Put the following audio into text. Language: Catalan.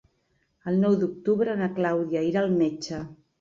El nou d'octubre na Clàudia irà al metge.